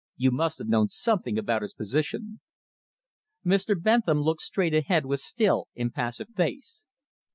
You must have known something about his position." Mr. Bentham looked straight ahead with still, impassive face.